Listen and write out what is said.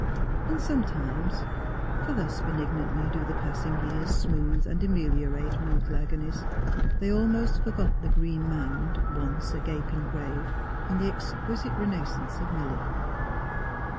And sometimes — for thus benignantly do the passing years soothe and ameliorate mortal agonies — they almost forgot the green mound, once a gaping grave, in the exquisite renaissance of Milly.